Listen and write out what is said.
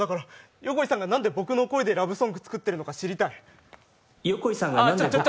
横井さんが何で僕の声でラブソング作ってるのか知りたい。